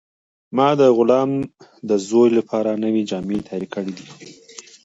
ما د غلام د زوی لپاره نوې جامې تیارې کړې دي.